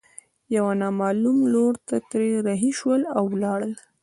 يوه نامعلوم لور ته ترې رهي شول او ولاړل.